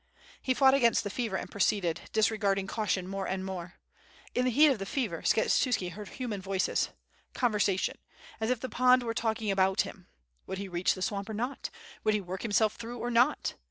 He fought against the fever and proceeded, diregarding caution more and more. In the heat of the fever Skshe tuski heard hum an voices, conversation, as if the pond were talking about him. "Would he reach the swamp or not, would he work himself through or not?"